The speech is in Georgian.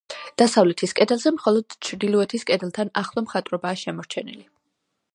დასავლეთის კედელზე მხოლოდ ჩრდილოეთის კედელთან ახლო მხატვრობაა შემორჩენილი.